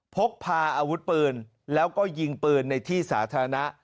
พกพาอาวุธปืนแล้วก็ยิงปืนในที่สาธารณะ